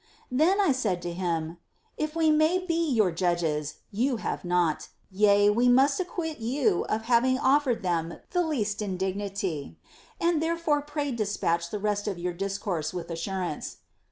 15. Then I said to him : If we may be your judges, you have not ; yea, we must acquit you of having offered them the least indignity ; and therefore pray despatch the rest of your discourse with assurance.